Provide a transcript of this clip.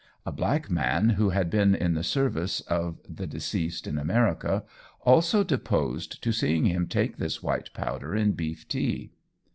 A black man, who had been in the service of deceased in America, also deposed to seeing him take this white powder in beef tea.